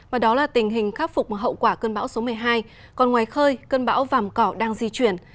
và đó là tình hình khắc phục hậu quả cơn bão số một mươi hai còn ngoài khơi cơn bão vàm cỏ đang di chuyển